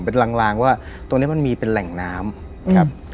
เป็นลางลางว่าตรงนี้มันมีเป็นแหล่งน้ำครับ